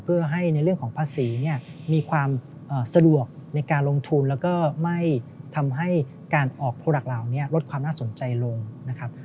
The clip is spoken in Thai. เพื่อให้ในเรื่องของภาษีเนี่ยมีความสะดวกในการลงทุนแล้วก็ไม่ทำให้การออกโปรดักต์เหล่านี้ลดความน่าสนใจลงนะครับ